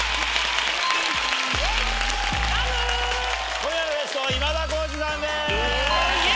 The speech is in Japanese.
今夜のゲストは今田耕司さんです！